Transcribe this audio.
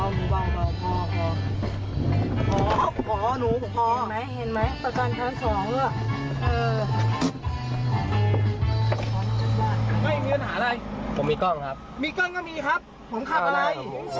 ไม่มีปัญหาอะไร